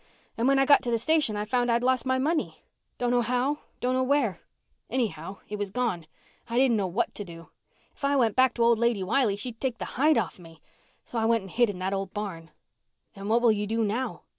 And when I got to the station I found I'd lost my money. Dunno how—dunno where. Anyhow, it was gone. I didn't know what to do. If I went back to old Lady Wiley she'd take the hide off me. So I went and hid in that old barn." "And what will you do now?"